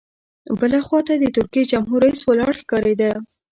بلې خوا ته د ترکیې جمهور رئیس ولاړ ښکارېد.